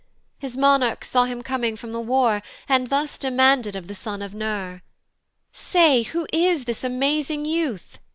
His monarch saw him coming from the war, And thus demanded of the son of Ner. "Say, who is this amazing youth?"